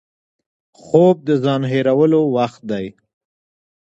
خوب د ځان هېرولو وخت دی